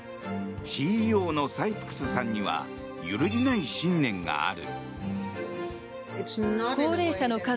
ＣＥＯのサイプクスさんには揺るぎない信念がある。